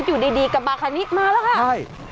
โอ้โหโอ้โห